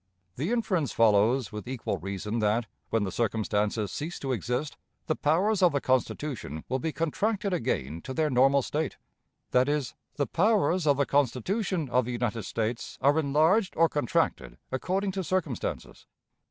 The inference follows with equal reason that, when the circumstances cease to exist, the powers of the Constitution will be contracted again to their normal state; that is, the powers of the Constitution of the United States are enlarged or contracted according to circumstances.